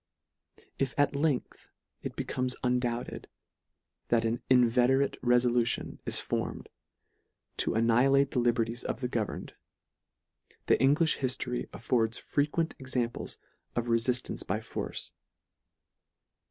If at length it becomes undoubted, that an inveterate refolution is formed to annihi 32 LETTER III. late the liberties of the governed, the Englifh hiftory affords frequent examples of refiftance by force.